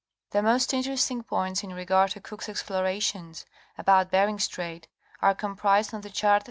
The most interesting points in regard to Cook's explorations about Bering Strait are comprised on the chart (vol.